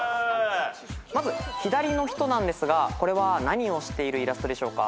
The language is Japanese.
まず左の人なんですがこれは何をしているイラストでしょうか？